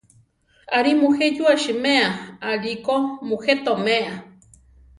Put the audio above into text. Aʼrí muje yúa siméa, aʼlí ko mujé toméa.